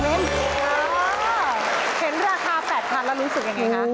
เห็นราคา๘๐๐๐บาทแล้วรู้สึกอย่างไรคะ